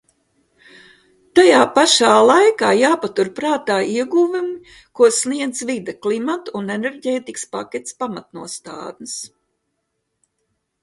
Tajā pašā laikā jāpatur prātā ieguvumi, ko sniedz vide, klimata un enerģētikas paketes pamatnostādnes.